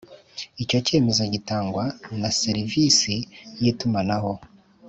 Icyo cyemezo gitangwa na serivisi y’itumanaho